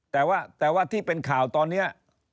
แต่ว่าแต่ว่าที่เป็นข่าวตอนเนี้ย